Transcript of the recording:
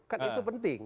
kan itu penting